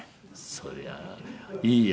そりゃあいいや。